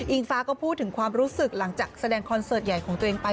อิงฟ้าก็พูดถึงความรู้สึกหลังจากแสดงคอนเสิร์ตใหญ่ของตัวเองไป